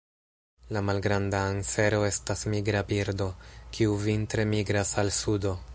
La Malgranda ansero estas migra birdo, kiu vintre migras al sudo.